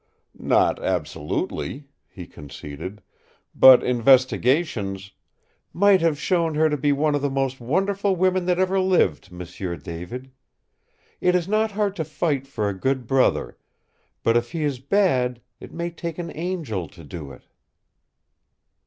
"Not absolutely," he conceded. "But investigations " "Might have shown her to be one of the most wonderful women that ever lived, M'sieu David. It is not hard to fight for a good brother but if he is bad, it may take an angel to do it!"